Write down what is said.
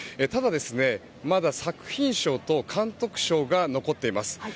ただ、まだ作品賞と監督賞が残っています。